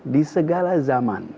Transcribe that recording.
di segala zaman